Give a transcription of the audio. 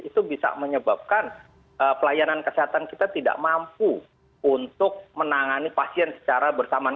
itu bisa menyebabkan pelayanan kesehatan kita tidak mampu untuk menangani pasien secara bersamaan